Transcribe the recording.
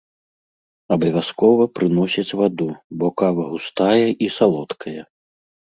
Абавязкова прыносяць ваду, бо кава густая і салодкая.